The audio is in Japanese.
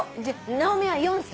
直美は４歳。